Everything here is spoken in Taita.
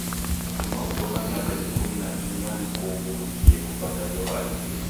Kufuma uko na miaka ikumi na inya niko uw'okie kupata iyo hali.